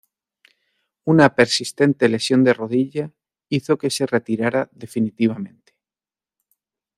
Una persistente lesión de rodilla hizo que se retirara definitivamente.